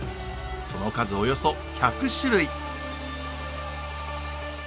その数およそ１００種類。